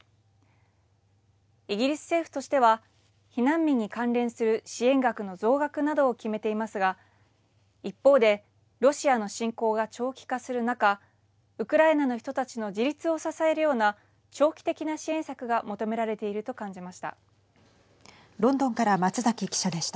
イギリス政府としては避難民に関連する支援額の増額などを決めていますが一方でロシアの侵攻が長期化する中ウクライナの人たちの自立を支えるような長期的な支援策が求められていると感じました。